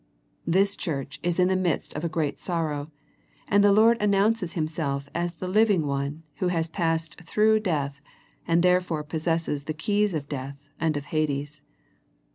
This church is in the midst of a great sorrow, and the Lord announces Himself as the living One Who has passed through death, and therefore possesses the keys of death and of Hades.